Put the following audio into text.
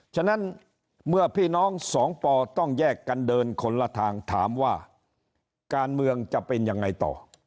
ฉะนั้นเมื่อพี่น้องสองปอต้องแยกกันเดินคนละทางถามว่าการเมืองจะเป็นยังไงต่อ